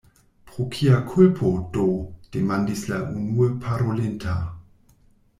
"Pro kia kulpo do?" demandis la unue parolinta.